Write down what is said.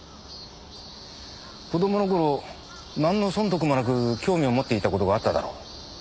子供の頃なんの損得もなく興味を持っていた事があっただろう？